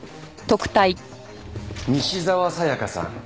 西沢紗香さん